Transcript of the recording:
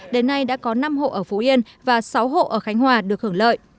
đến nay đã có năm hộ ở phú yên và sáu hộ ở khánh hòa được hưởng lợi